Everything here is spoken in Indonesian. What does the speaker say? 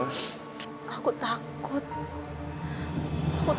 aku takut aku takut banget